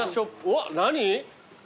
うわっ何？